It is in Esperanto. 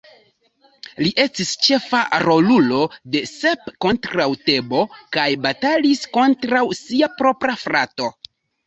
Li estis ĉefa rolulo de "Sep kontraŭ Tebo" kaj batalis kontraŭ sia propra frato.